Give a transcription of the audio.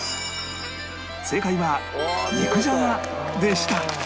正解は肉じゃがでした